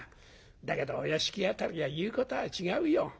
だけどお屋敷辺りは言うことは違うよ。